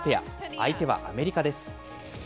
相手はアメリカです。